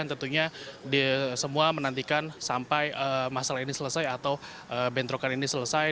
dan tentunya semua menantikan sampai masalah ini selesai atau bentrokan ini selesai